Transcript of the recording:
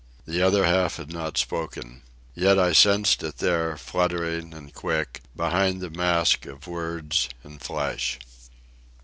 The other half had not spoken. Yet I sensed it there, fluttering and quick, behind the mask of words and flesh.